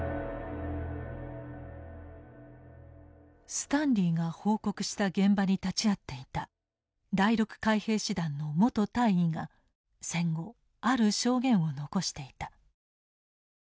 スタンリーが報告した現場に立ち会っていた第６海兵師団の元大尉が戦後ある証言を残していた。